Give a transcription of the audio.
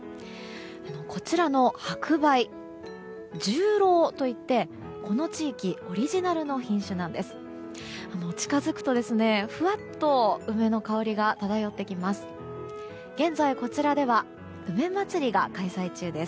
こちらの白梅、十郎といってこの地域オリジナルの品種なんです。